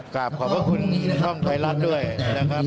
ขอบความขอบคุณช่องไทยรัฐด้วยนะครับ